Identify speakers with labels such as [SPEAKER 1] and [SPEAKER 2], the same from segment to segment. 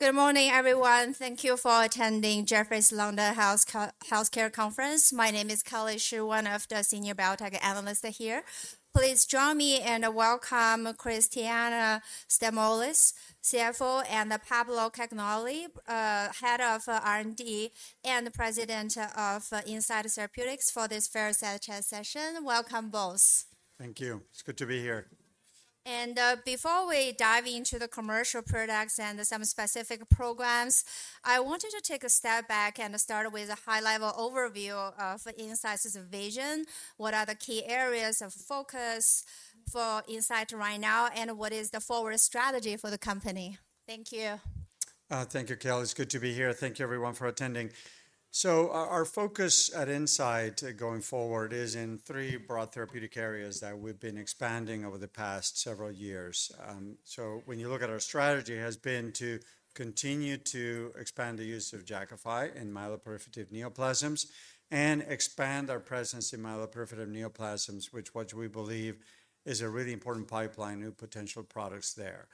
[SPEAKER 1] Good morning, everyone. Thank you for attending Jefferies Healthcare Conference. My name is Kelly Shi, one of the senior biotech analysts here. Please join me in welcoming Christiana Stamoulis, CFO, and Pablo Cagnoni, Head of R&D and President of Incyte for this very session. Welcome both.
[SPEAKER 2] Thank you. It's good to be here.
[SPEAKER 1] Before we dive into the commercial products and some specific programs, I wanted to take a step back and start with a high-level overview of Incyte's vision. What are the key areas of focus for Incyte right now, and what is the forward strategy for the company? Thank you.
[SPEAKER 2] Thank you, Kelly. It's good to be here. Thank you, everyone, for attending. Our focus at Incyte going forward is in three broad therapeutic areas that we've been expanding over the past several years. When you look at our strategy, it has been to continue to expand the use of Jakafi in myeloproliferative neoplasms and expand our presence in myeloproliferative neoplasms, which we believe is a really important pipeline of potential products there.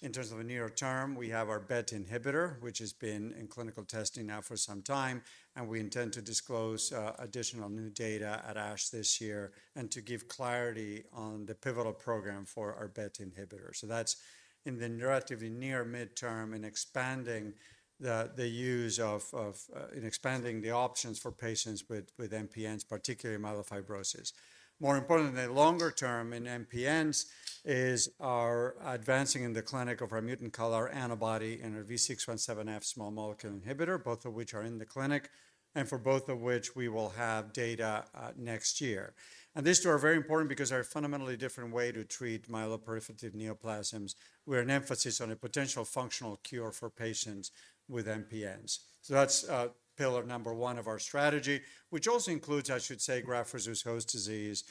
[SPEAKER 2] In terms of a near term, we have our BET inhibitor, which has been in clinical testing now for some time, and we intend to disclose additional new data at ASH this year and to give clarity on the pivotal program for our BET inhibitor. That's in the relatively near-mid term in expanding the use of and expanding the options for patients with MPNs, particularly myelofibrosis. More importantly, the longer term in MPNs is our advancing in the clinic of our mutant CALR antibody and our V617F small molecule inhibitor, both of which are in the clinic, and for both of which we will have data next year. And these two are very important because they're a fundamentally different way to treat myeloproliferative neoplasms. We are an emphasis on a potential functional cure for patients with MPNs. So that's pillar number one of our strategy, which also includes, I should say, graft-versus-host disease,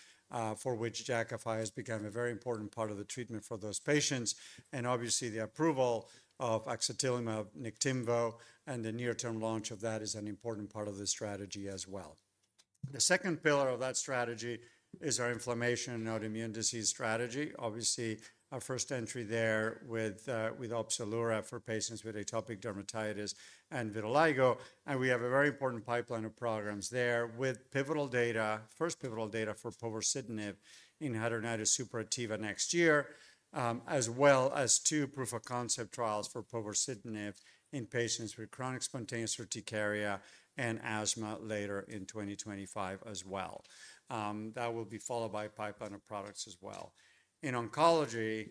[SPEAKER 2] for which Jakafi has become a very important part of the treatment for those patients. And obviously, the approval of Axatilimab Niktimvo and the near-term launch of that is an important part of the strategy as well. The second pillar of that strategy is our inflammation and autoimmune disease strategy. Obviously, our first entry there with Opzelura for patients with atopic dermatitis and vitiligo, and we have a very important pipeline of programs there with pivotal data, first pivotal data for povorcitinib in hidradenitis suppurativa next year, as well as two proof-of-concept trials for povorcitinib in patients with chronic spontaneous urticaria and asthma later in 2025 as well. That will be followed by pipeline of products as well. In oncology,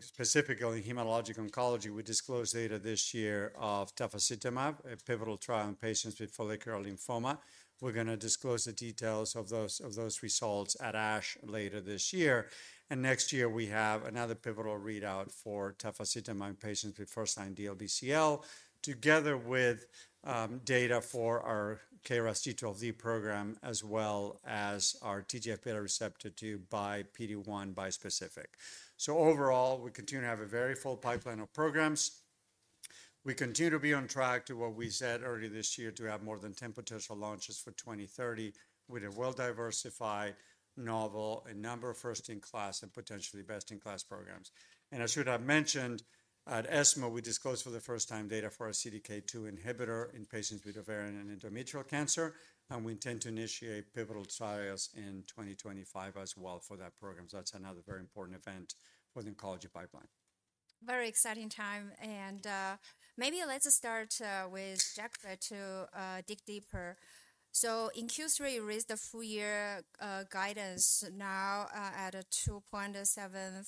[SPEAKER 2] specifically in hematologic oncology, we disclosed data this year of tafasitamab, a pivotal trial in patients with follicular lymphoma. We're going to disclose the details of those results at ASH later this year, and next year, we have another pivotal readout for tafasitamab in patients with first-line DLBCL, together with data for our KRAS G12D program, as well as our TGF-β receptor II PD-1 bispecific, so overall, we continue to have a very full pipeline of programs. We continue to be on track to what we said earlier this year, to have more than 10 potential launches for 2030 with a well-diversified, novel, and a number of first-in-class and potentially best-in-class programs. And as I should have mentioned, at ESMO, we disclosed for the first time data for our CDK2 inhibitor in patients with ovarian and endometrial cancer. And we intend to initiate pivotal trials in 2025 as well for that program. So that's another very important event for the oncology pipeline.
[SPEAKER 1] Very exciting time. Maybe let's start with Jakafi to dig deeper. So in Q3, you raised the full-year guidance now at $2.74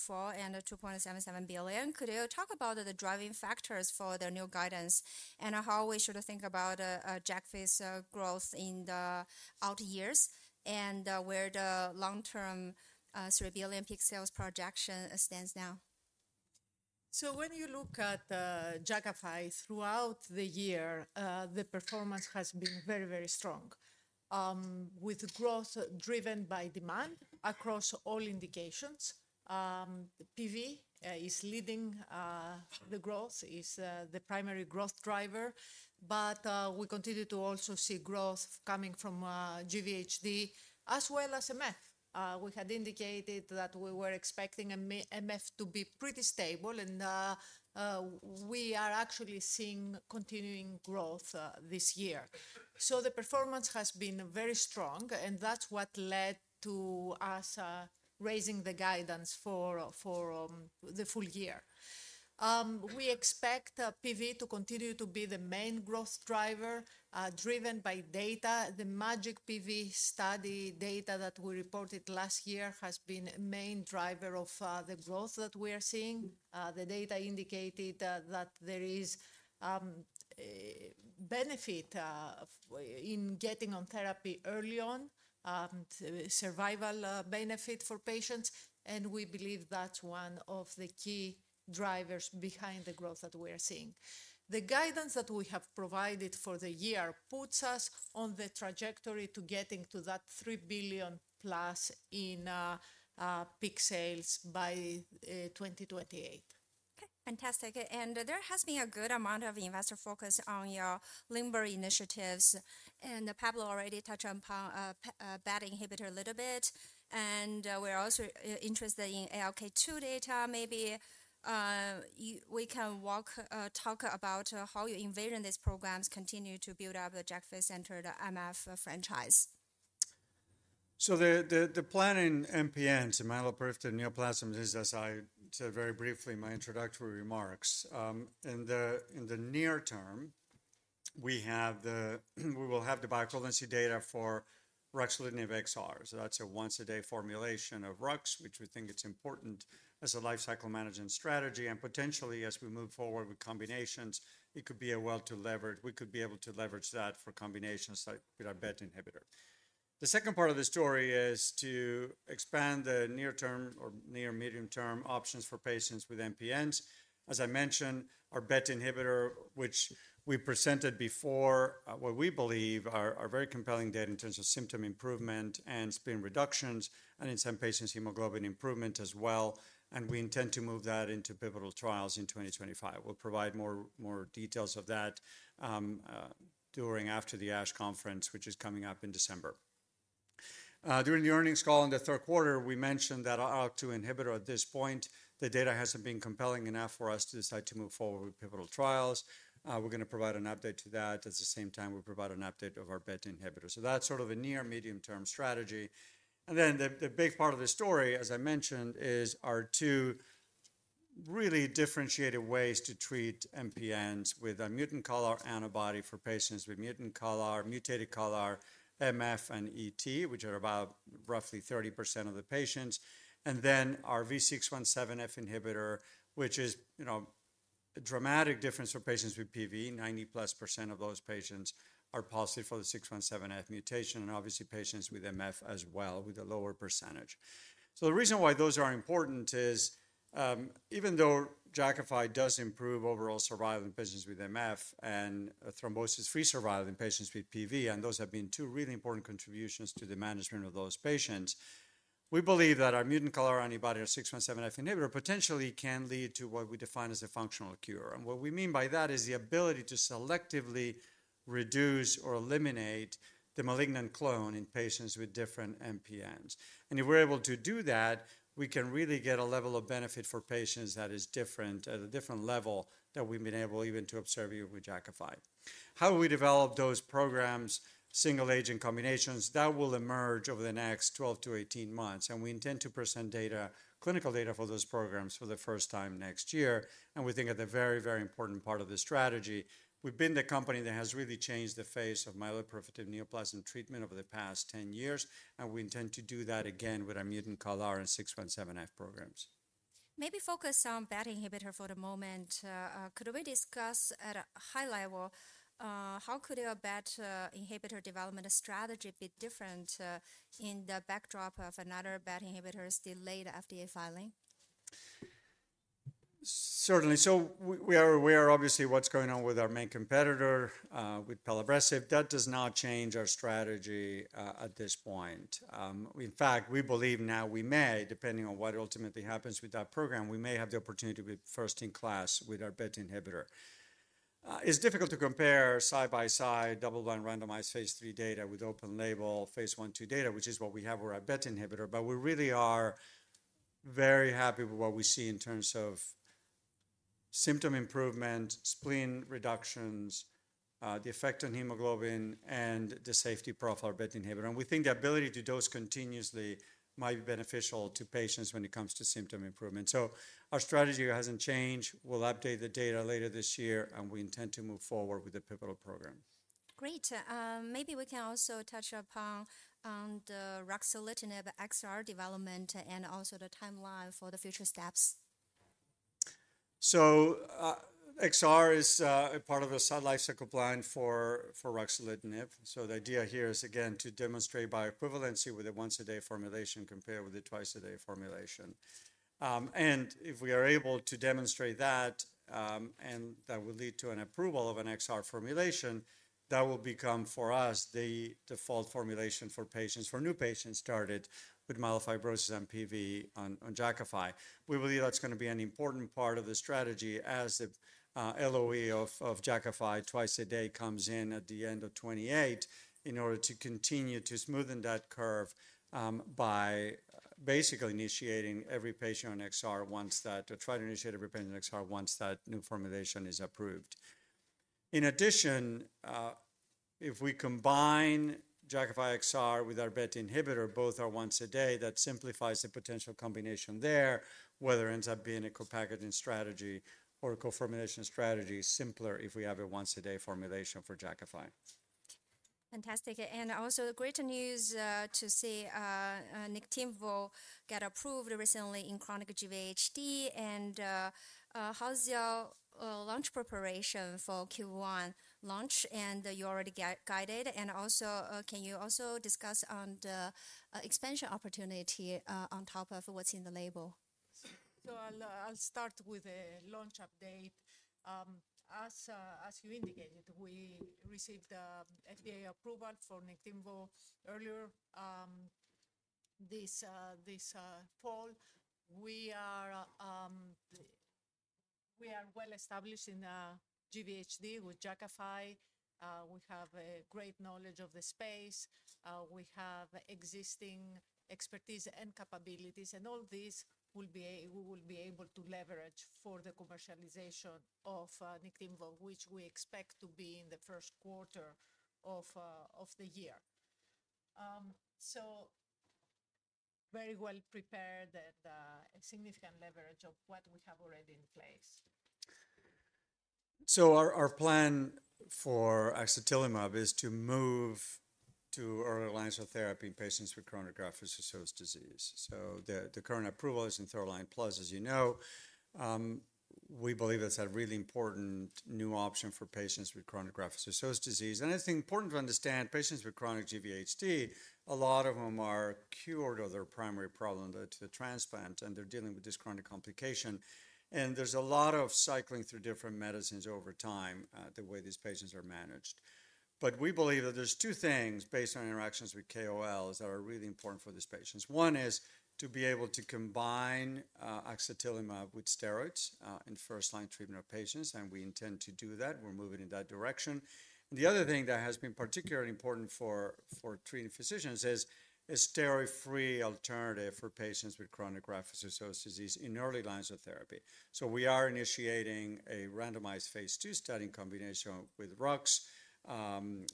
[SPEAKER 1] billion-$2.77 billion. Could you talk about the driving factors for the new guidance and how we should think about Jakafi's growth in the out years and where the long-term $3 billion peak sales projection stands now?
[SPEAKER 3] So when you look at Jakafi throughout the year, the performance has been very, very strong, with growth driven by demand across all indications. PV is leading the growth, is the primary growth driver. But we continue to also see growth coming from GVHD, as well as MF. We had indicated that we were expecting MF to be pretty stable, and we are actually seeing continuing growth this year. So the performance has been very strong, and that's what led to us raising the guidance for the full year. We expect PV to continue to be the main growth driver, driven by data. The MAJIC-PV study data that we reported last year has been the main driver of the growth that we are seeing. The data indicated that there is benefit in getting on therapy early on, survival benefit for patients. We believe that's one of the key drivers behind the growth that we are seeing. The guidance that we have provided for the year puts us on the trajectory to getting to that $3+ billion in peak sales by 2028.
[SPEAKER 1] Fantastic. And there has been a good amount of investor focus on your LIMBER initiatives. And Pablo already touched on BET inhibitor a little bit. And we're also interested in ALK2 data. Maybe we can talk about how you envision these programs continue to build up the Jakafi-centered MF franchise.
[SPEAKER 2] The plan in MPNs, myeloproliferative neoplasms, is, as I said very briefly in my introductory remarks, in the near term, we will have the bioequivalence data for ruxolitinib XR. That's a once-a-day formulation of ruxolitinib, which we think is important as a lifecycle management strategy. And potentially, as we move forward with combinations, it could be well leveraged, we could be able to leverage that for combinations with our BET inhibitor. The second part of the story is to expand the near-term or near-medium-term options for patients with MPNs. As I mentioned, our BET inhibitor, which we presented before, what we believe are very compelling data in terms of symptom improvement and spleen reductions, and in some patients, hemoglobin improvement as well. We intend to move that into pivotal trials in 2025. We'll provide more details of that during or after the ASH conference, which is coming up in December. During the earnings call in the third quarter, we mentioned that ALK2 inhibitor, at this point, the data hasn't been compelling enough for us to decide to move forward with pivotal trials. We're going to provide an update to that. At the same time, we provide an update of our BET inhibitor. So that's sort of a near-medium-term strategy. And then the big part of the story, as I mentioned, is our two really differentiated ways to treat MPNs with a mutant CALR antibody for patients with mutant CALR, mutant CALR, MF, and ET, which are about roughly 30% of the patients. And then our V617F inhibitor, which is a dramatic difference for patients with PV. 90%+ of those patients are positive for the V617F mutation, and obviously, patients with MF as well, with a lower percentage. So the reason why those are important is, even though Jakafi does improve overall survival in patients with MF and thrombosis-free survival in patients with PV, and those have been two really important contributions to the management of those patients, we believe that our mutant CALR antibody or V617F inhibitor potentially can lead to what we define as a functional cure. And what we mean by that is the ability to selectively reduce or eliminate the malignant clone in patients with different MPNs. And if we're able to do that, we can really get a level of benefit for patients that is different, at a different level that we've been able even to observe here with Jakafi. How we develop those programs, single-agent combinations, that will emerge over the next 12-18 months. And we intend to present data, clinical data for those programs for the first time next year. And we think it's a very, very important part of the strategy. We've been the company that has really changed the face of myeloproliferative neoplasm treatment over the past 10 years. And we intend to do that again with our mutant CALR and V617F programs.
[SPEAKER 1] Maybe focus on BET inhibitor for the moment. Could we discuss at a high level how could a BET inhibitor development strategy be different in the backdrop of another BET inhibitor's delayed FDA filing?
[SPEAKER 2] Certainly. So we are aware, obviously, of what's going on with our main competitor, with pelabresib. That does not change our strategy at this point. In fact, we believe now we may, depending on what ultimately happens with that program, we may have the opportunity to be first-in-class with our BET inhibitor. It's difficult to compare side-by-side double-blind randomized phase III data with open-label phase I-II data, which is what we have with our BET inhibitor. But we really are very happy with what we see in terms of symptom improvement, spleen reductions, the effect on hemoglobin, and the safety profile of BET inhibitor. And we think the ability to dose continuously might be beneficial to patients when it comes to symptom improvement. So our strategy hasn't changed. We'll update the data later this year, and we intend to move forward with the pivotal program.
[SPEAKER 1] Great. Maybe we can also touch upon the ruxolitinib XR development and also the timeline for the future steps.
[SPEAKER 2] XR is part of the life-cycle plan for ruxolitinib. The idea here is, again, to demonstrate bioequivalence with a once-a-day formulation compared with a twice-a-day formulation. If we are able to demonstrate that, that will lead to an approval of an XR formulation, that will become, for us, the default formulation for patients, for new patients started with myelofibrosis and PV on Jakafi. We believe that's going to be an important part of the strategy as the LOE of Jakafi twice a day comes in at the end of 2028 in order to continue to smoothen that curve by basically initiating every patient on XR once that or try to initiate every patient on XR once that new formulation is approved. In addition, if we combine Jakafi XR with our BET inhibitor, both are once a day, that simplifies the potential combination there, whether it ends up being a copackaging strategy or a co-formulation strategy, simpler if we have a once-a-day formulation for Jakafi.
[SPEAKER 1] Fantastic. And also great news to see Niktimvo get approved recently in chronic GVHD and how's the launch preparation for Q1 launch. And you already guided. And can you also discuss on the expansion opportunity on top of what's in the label?
[SPEAKER 3] So I'll start with the launch update. As you indicated, we received the FDA approval for Niktimvo earlier this fall. We are well-established in GVHD with Jakafi. We have great knowledge of the space. We have existing expertise and capabilities. And all these we will be able to leverage for the commercialization of Niktimvo, which we expect to be in the first quarter of the year. So very well prepared and a significant leverage of what we have already in place.
[SPEAKER 2] Our plan for Axatilimab is to move to earlier line therapy in patients with chronic graft-versus-host disease. The current approval is in third-line plus, as you know. We believe that's a really important new option for patients with chronic graft-versus-host disease. I think it's important to understand, patients with chronic GVHD, a lot of them are cured of their primary problem due to the transplant, and they're dealing with this chronic complication. There's a lot of cycling through different medicines over time the way these patients are managed. We believe that there's two things based on interactions with KOLs that are really important for these patients. One is to be able to combine Axatilimab with steroids in first-line treatment of patients. We intend to do that. We're moving in that direction. And the other thing that has been particularly important for treating physicians is a steroid-free alternative for patients with chronic graft-versus-host disease in early lines of therapy. So we are initiating a randomized phase II study in combination with Rux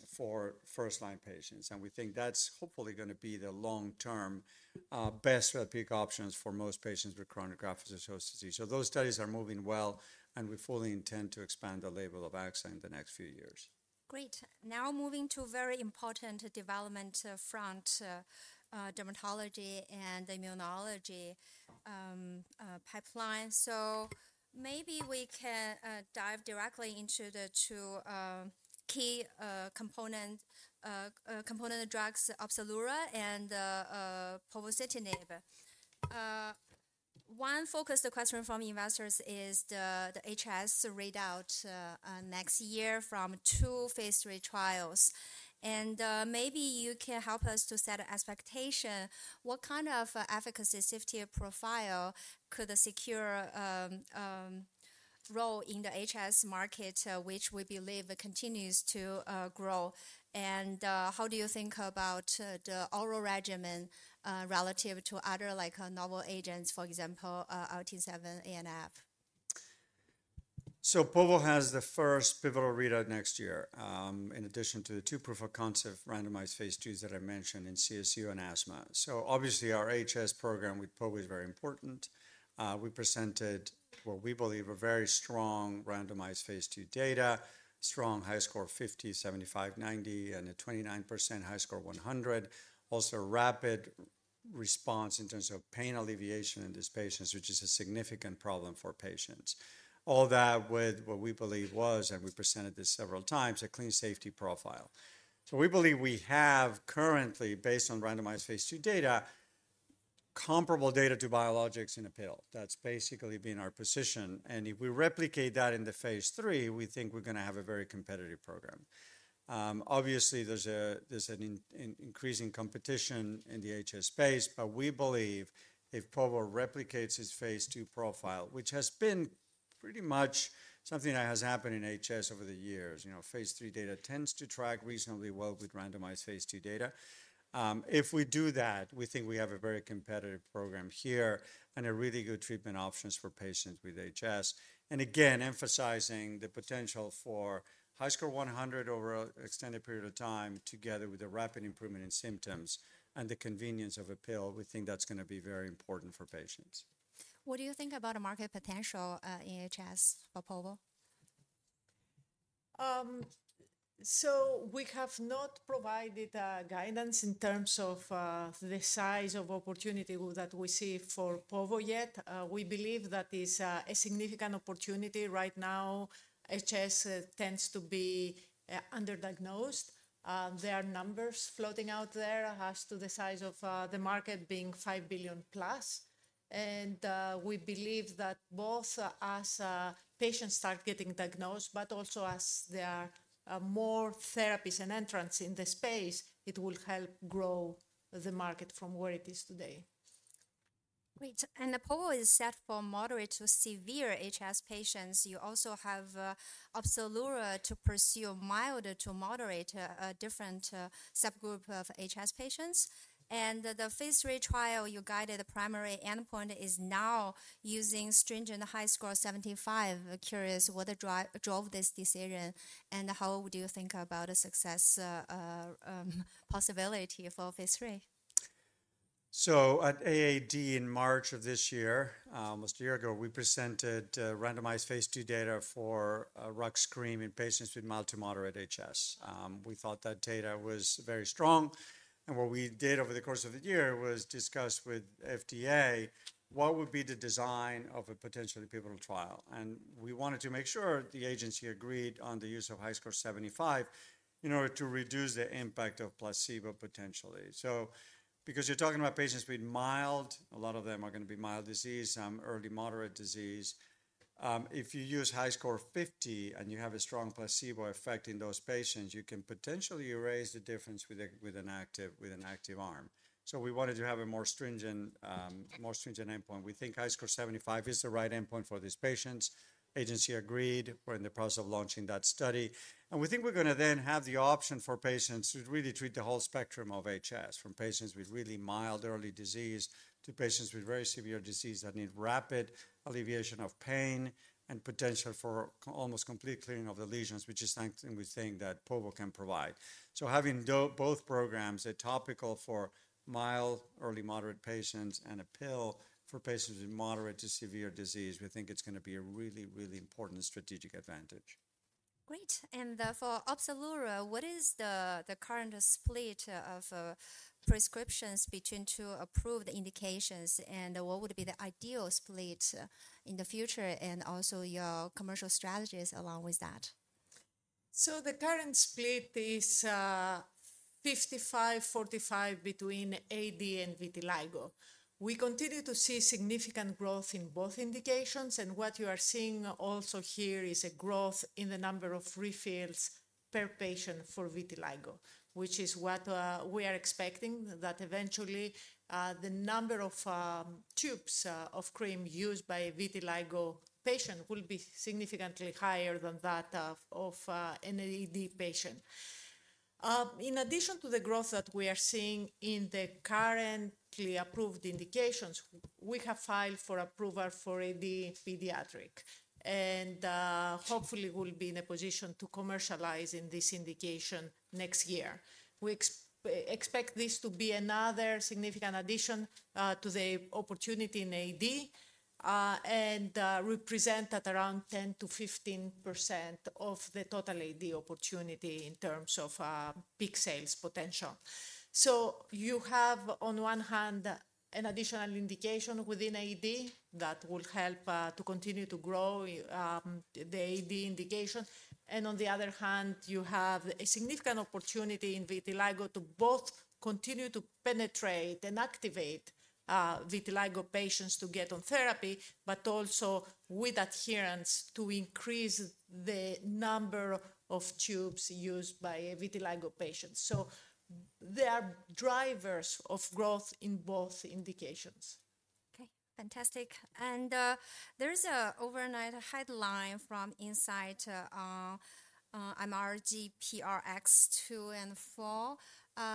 [SPEAKER 2] for first-line patients. And we think that's hopefully going to be the long-term best therapeutic options for most patients with chronic graft-versus-host disease. So those studies are moving well, and we fully intend to expand the label of Axa in the next few years.
[SPEAKER 1] Great. Now moving to a very important development front, dermatology and immunology pipeline. So maybe we can dive directly into the two key component drugs Opzelura and povorcitinib. One focused question from investors is the HS readout next year from two phase III trials. And maybe you can help us to set an expectation. What kind of efficacy safety profile could secure a role in the HS market, which we believe continues to grow? And how do you think about the oral regimen relative to other novel agents, for example, IL-17A and F?
[SPEAKER 2] So povorcitinib has the first pivotal readout next year, in addition to the two proof of concept randomized phase IIs that I mentioned in CSU and asthma. So obviously, our HS program with povorcitinib is very important. We presented what we believe very strong randomized phase II data, strong HiSCR 50, 75, 90, and a 29% HiSCR 100. Also rapid response in terms of pain alleviation in these patients, which is a significant problem for patients. All that with what we believe was, and we presented this several times, a clean safety profile. So we believe we have currently, based on randomized phase II data, comparable data to biologics in a pill. That's basically been our position. And if we replicate that in the phase III, we think we're going to have a very competitive program. Obviously, there's an increasing competition in the HS space, but we believe if povorcitinib replicates its phase II profile, which has been pretty much something that has happened in HS over the years, phase III data tends to track reasonably well with randomized phase II data. If we do that, we think we have a very competitive program here and a really good treatment options for patients with HS, and again, emphasizing the potential for HiSCR 100 over an extended period of time together with a rapid improvement in symptoms and the convenience of a pill, we think that's going to be very important for patients.
[SPEAKER 1] What do you think about the market potential in HS for povorcitinib?
[SPEAKER 3] We have not provided guidance in terms of the size of opportunity that we see for povorcitinib yet. We believe that is a significant opportunity. Right now, HS tends to be underdiagnosed. There are numbers floating out there as to the size of the market being $5+ billion. We believe that both as patients start getting diagnosed, but also as there are more therapies and entrants in the space, it will help grow the market from where it is today.
[SPEAKER 1] Great. And povorcitinib is set for moderate to severe HS patients. You also have Opzelura to pursue mild to moderate different subgroup of HS patients. And the phase III trial you guided the primary endpoint is now using stringent HiSCR 75. Curious what drove this decision and how would you think about the success possibility for phase III?
[SPEAKER 2] So at AAD in March of this year, almost a year ago, we presented randomized phase II data for Rux cream in patients with mild to moderate HS. We thought that data was very strong. And what we did over the course of the year was discuss with FDA what would be the design of a potentially pivotal trial. And we wanted to make sure the agency agreed on the use of HiSCR 75 in order to reduce the impact of placebo potentially. So because you're talking about patients with mild, a lot of them are going to be mild disease, some early moderate disease, if you use HiSCR 50 and you have a strong placebo effect in those patients, you can potentially erase the difference with an active arm. So we wanted to have a more stringent endpoint. We think HiSCR 75 is the right endpoint for these patients. Agency agreed. We're in the process of launching that study. And we think we're going to then have the option for patients to really treat the whole spectrum of HS, from patients with really mild early disease to patients with very severe disease that need rapid alleviation of pain and potential for almost complete clearing of the lesions, which is something we think that povorcitinib can provide. So having both programs, a topical for mild, early moderate patients and a pill for patients with moderate to severe disease, we think it's going to be a really, really important strategic advantage.
[SPEAKER 1] Great. And for Opzelura, what is the current split of prescriptions between two approved indications? And what would be the ideal split in the future and also your commercial strategies along with that?
[SPEAKER 3] The current split is 55-45 between AD and vitiligo. We continue to see significant growth in both indications. What you are seeing also here is a growth in the number of refills per patient for vitiligo, which is what we are expecting, that eventually the number of tubes of cream used by a vitiligo patient will be significantly higher than that of an AD patient. In addition to the growth that we are seeing in the currently approved indications, we have filed for approval for AD Pediatric. Hopefully, we'll be in a position to commercialize in this indication next year. We expect this to be another significant addition to the opportunity in AD and represent at around 10%-15% of the total AD opportunity in terms of peak sales potential. So you have, on one hand, an additional indication within AD that will help to continue to grow the AD indication. And on the other hand, you have a significant opportunity in vitiligo to both continue to penetrate and activate vitiligo patients to get on therapy, but also with adherence to increase the number of tubes used by a vitiligo patient. So there are drivers of growth in both indications.
[SPEAKER 1] Okay. Fantastic. And there is an overnight headline from Incyte on MRGPRX2 and MRGPRX4.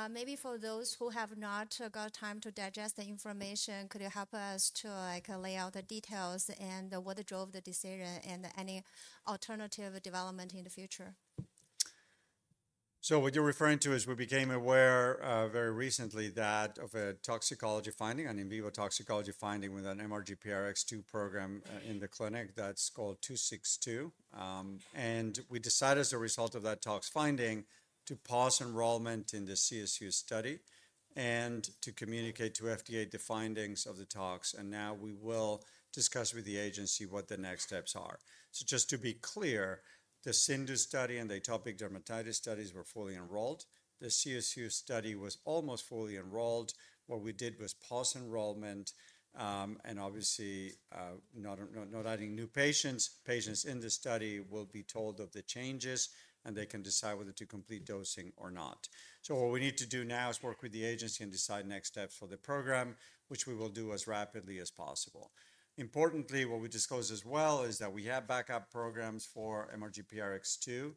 [SPEAKER 1] Maybe for those who have not got time to digest the information, could you help us to lay out the details and what drove the decision and any alternative development in the future?
[SPEAKER 2] So what you're referring to is we became aware very recently of a toxicology finding, an in vivo toxicology finding with an MRGPRX2 program in the clinic that's called 262. And we decided, as a result of that tox finding, to pause enrollment in the CSU study and to communicate to FDA the findings of the tox. And now we will discuss with the agency what the next steps are. So just to be clear, the CIndU study and the atopic dermatitis studies were fully enrolled. The CSU study was almost fully enrolled. What we did was pause enrollment and obviously not adding new patients. Patients in the study will be told of the changes, and they can decide whether to complete dosing or not. So what we need to do now is work with the agency and decide next steps for the program, which we will do as rapidly as possible. Importantly, what we disclosed as well is that we have backup programs for MRGPRX2.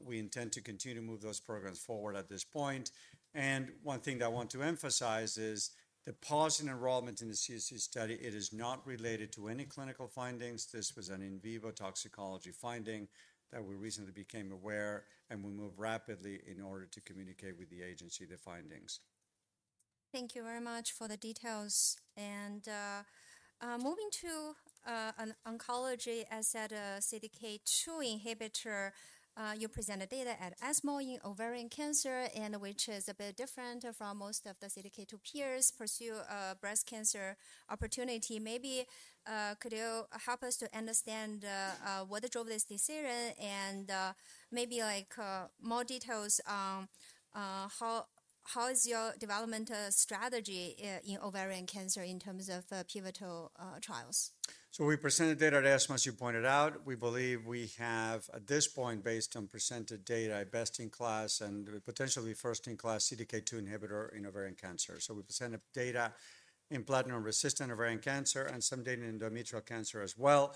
[SPEAKER 2] We intend to continue to move those programs forward at this point. And one thing that I want to emphasize is the pause in enrollment in the CSU study. It is not related to any clinical findings. This was an in vivo toxicology finding that we recently became aware, and we moved rapidly in order to communicate with the agency the findings.
[SPEAKER 1] Thank you very much for the details. And moving to oncology, as said, CDK2 inhibitor, you presented data at ESMO in ovarian cancer, which is a bit different from most of the CDK2 peers pursue a breast cancer opportunity. Maybe could you help us to understand what drove this decision and maybe more details on how is your development strategy in ovarian cancer in terms of pivotal trials?
[SPEAKER 2] So we presented data at ESMO, as you pointed out. We believe we have, at this point, based on presented data, a best-in-class and potentially first-in-class CDK2 inhibitor in ovarian cancer. So we presented data in platinum-resistant ovarian cancer and some data in endometrial cancer as well.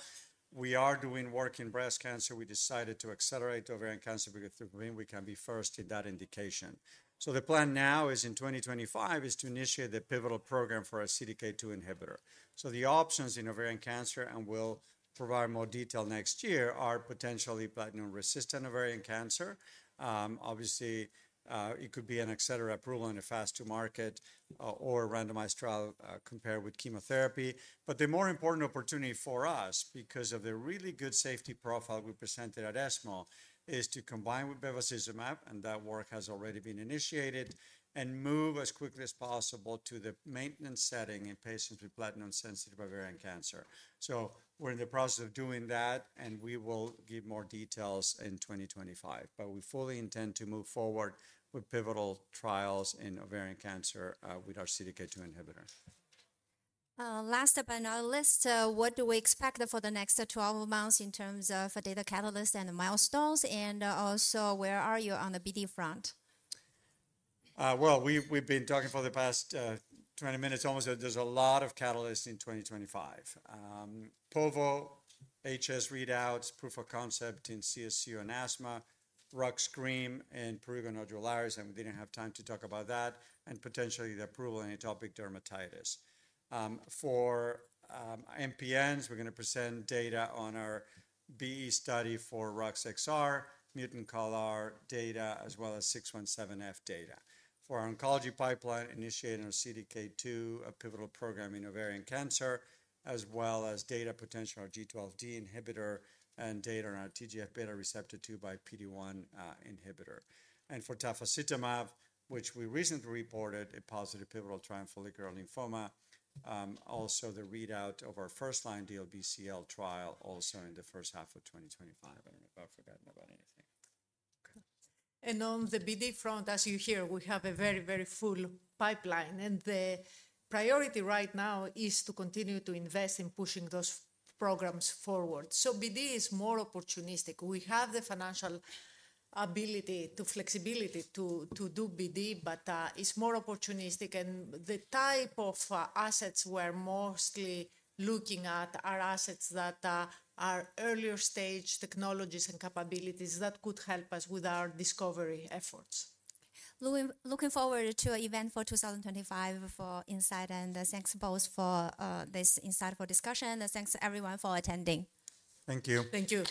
[SPEAKER 2] We are doing work in breast cancer. We decided to accelerate ovarian cancer because we think we can be first in that indication. So the plan now is in 2025 is to initiate the pivotal program for a CDK2 inhibitor. So the options in ovarian cancer, and we'll provide more detail next year, are potentially platinum-resistant ovarian cancer. Obviously, it could be an accelerated approval in a phase II market or a randomized trial compared with chemotherapy. But the more important opportunity for us, because of the really good safety profile we presented at ESMO, is to combine with bevacizumab, and that work has already been initiated, and move as quickly as possible to the maintenance setting in patients with platinum-sensitive ovarian cancer. So we're in the process of doing that, and we will give more details in 2025. But we fully intend to move forward with pivotal trials in ovarian cancer with our CDK2 inhibitor.
[SPEAKER 1] Last but not least, what do we expect for the next 12 months in terms of data catalysts and milestones? And also, where are you on the BD front?
[SPEAKER 2] We've been talking for the past 20 minutes almost that there's a lot of catalysts in 2025. Povo, HS readouts, proof of concept in CSU and asthma, Rux cream, and prurigo nodularis. We didn't have time to talk about that, and potentially the approval in atopic dermatitis. For MPNs, we're going to present data on our BE study for Rux XR, mutant CALR data, as well as 617F data. For our oncology pipeline, initiating our CDK2 pivotal program in ovarian cancer, as well as data potential on our G12D inhibitor and data on our TGFβR2×PD-1 inhibitor. For tafasitamab, which we recently reported a positive pivotal in follicular lymphoma, also the readout of our first-line DLBCL trial also in the first half of 2025. I've forgotten about anything.
[SPEAKER 3] On the BD front, as you hear, we have a very, very full pipeline. The priority right now is to continue to invest in pushing those programs forward. BD is more opportunistic. We have the financial ability and flexibility to do BD, but it's more opportunistic. The type of assets we're mostly looking at are assets that are earlier stage technologies and capabilities that could help us with our discovery efforts.
[SPEAKER 1] Looking forward to an event for 2025 for Incyte. Thanks both for this insightful discussion. Thanks everyone for attending.
[SPEAKER 2] Thank you.
[SPEAKER 3] Thank you.